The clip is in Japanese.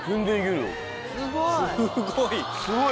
すごい。